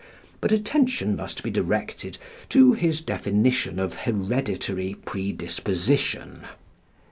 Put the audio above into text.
But attention must be directed to his definition of hereditary predisposition (pp.